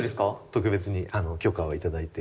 特別に許可を頂いて。